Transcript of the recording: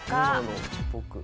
僕。